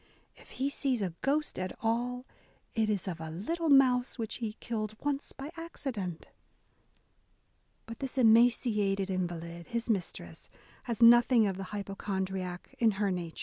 If he sees a ghost at all, it is of a little mouse which he killed oooe by accident !" But this emaciated invalid, his mistress, has nothing of the hypochondriac in her nature.